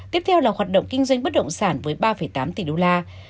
tiếp theo là hoạt động kinh doanh bất động sản với ba tám tỷ usd